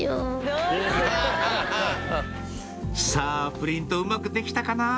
プリントうまくできたかなぁ？